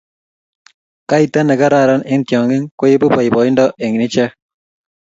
Kaita ne kararan eng tionging ko ibu boibointo eng ichek